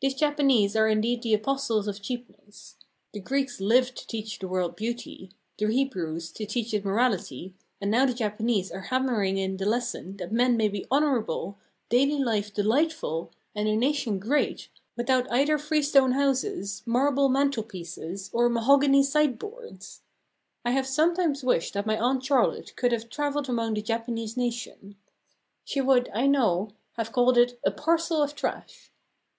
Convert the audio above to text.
These Japanese are indeed the apostles of cheapness. The Greeks lived to teach the world beauty, the Hebrews to teach it morality, and now the Japanese are hammering in the lesson that men may be honourable, daily life delightful, and a nation great without either freestone houses, marble mantelpieces, or mahogany sideboards. I have sometimes wished that my Aunt Charlotte could have travelled among the Japanese nation. She would, I know, have called it a "parcel of trash."